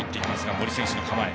森選手の構え。